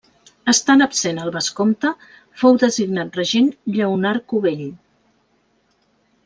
Estant absent el vescomte fou designat regent Lleonard Cubell.